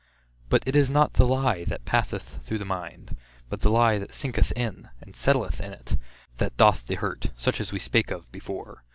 But it is not the lie that passeth through the mind, but the lie that sinketh in, and settleth in it, that doth the hurt; such as we spake of before.